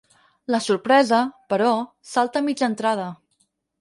La sorpresa, però, salta a mitja entrada.